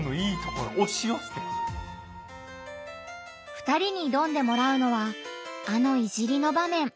２人に挑んでもらうのはあの「いじり」の場面。